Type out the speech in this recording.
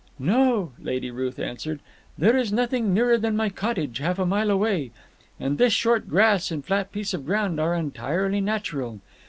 "No," Lady Ruth answered, "there is nothing nearer than my cottage half a mile away; and this short grass and flat piece of ground are entirely natural.